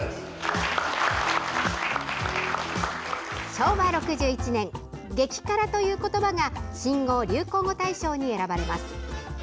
昭和６１年、激辛という言葉が新語・流行語大賞に選ばれます。